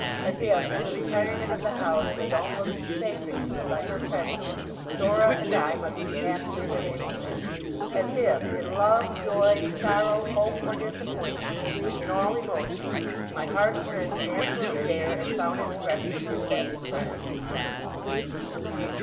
As if, in the retirement of the house made almost sacred to me by her presence, Dora and I must be happier than anywhere. As if, in love, joy, sorrow, hope, or disappointment; in all emotions; my heart turned naturally there, and found its refuge and best friend.